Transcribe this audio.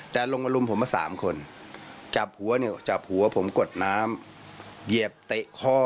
แต่ลงมารุมผมมาสามคนจับหัวเนี่ยจับหัวผมกดน้ำเหยียบเตะคอ